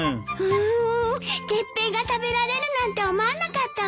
月餅が食べられるなんて思わなかったわ！